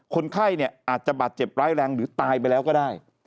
คนไข้เนี่ยอาจจะบาดเจ็บร้ายแรงหรือตายไปแล้วก็ได้